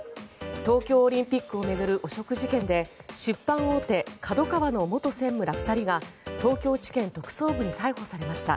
東京オリンピックを巡る汚職事件で出版大手ＫＡＤＯＫＡＷＡの元専務ら２人が東京地検特捜部に逮捕されました。